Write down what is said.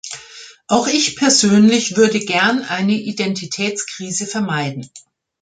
Auch ich persönlich würde gern eine Identitätskrise vermeiden.